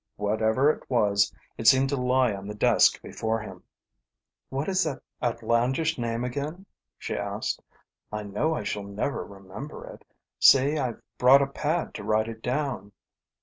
Whatever it was, it seemed to lie on the desk before him. "What is that outlandish name again?" she asked. "I know I shall never remember it. See, I've brought a pad to write it down."